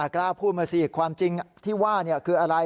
กล้าพูดมาสิความจริงที่ว่าคืออะไร